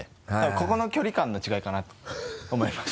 ここの距離感の違いかなと思います。